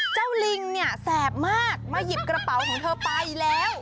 ลิงเนี่ยแสบมากมาหยิบกระเป๋าของเธอไปแล้ว